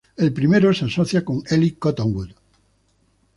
Él primero se asoció con Eli Cottonwood.